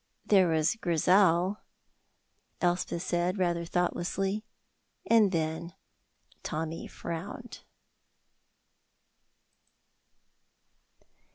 "There was Grizel," Elspeth said, rather thoughtlessly; and then Tommy frowned.